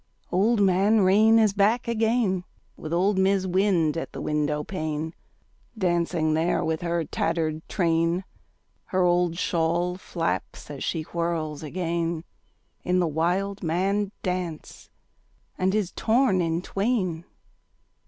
Old Man Rain is back again, With old Mis' Wind at the windowpane, Dancing there with her tattered train: Her old shawl flaps as she whirls again In the wildman dance and is torn in twain.